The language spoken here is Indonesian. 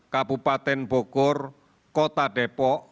kabupaten bogor kota depok